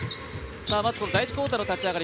まず第１クオーターの立ち上がり